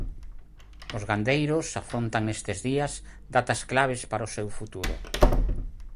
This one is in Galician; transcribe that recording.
Os gandeiros afrontan nestes días datas claves para o seu futuro.